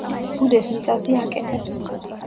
ბუდეს მიწაზე აკეთებს.